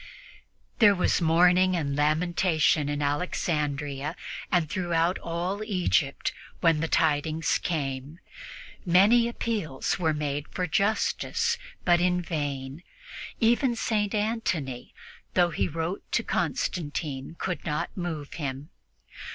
There was mourning and lamentation in Alexandria and throughout all Egypt when the tidings came. Many appeals were made for justice, but in vain. Even St. Antony, though he wrote to Constantine, could not move him.